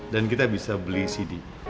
dan kita bisa beli cd